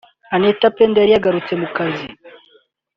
Anitha Pendo yari yagarutse mu kazi